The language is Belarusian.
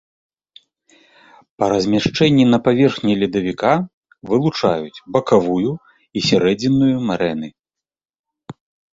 Па размяшчэнні на паверхні ледавіка вылучаюць бакавую і сярэдзінную марэны.